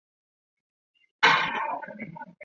云南野扇花为黄杨科野扇花属的植物。